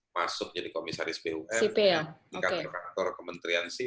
masuk jadi komisaris pum dikatakan rektor kementerian sipi